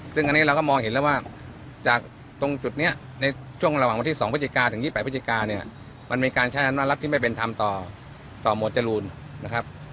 ซึ่งอันนี้เราก็มองเห็นแล้วว่าจากตรงจุดนี้ในช่วงระหว่างวันที่๒พฤศจิกาถึง๒๘พฤศจิกาเนี่ยมันมีการใช้อำนาจรัฐที่ไม่เป็นธรรมต่อหมวดจรูนนะครับ